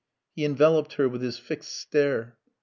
He enveloped her with his fixed stare.